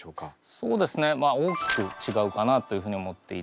そうですねまあ大きく違うかなというふうに思っていて。